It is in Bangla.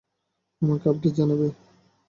আমাকে আপডেট জানাবে।